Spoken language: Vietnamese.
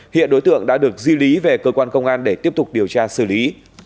hiện đối tượng đã được di lý về cơ quan công an để tiếp tục điều tra xử lý